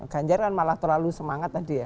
ganjar kan malah terlalu semangat tadi ya